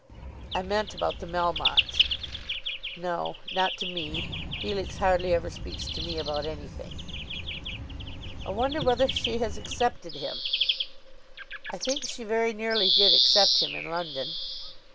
"I meant about the Melmottes." "No; not to me. Felix hardly ever speaks to me about anything." "I wonder whether she has accepted him." "I think she very nearly did accept him in London."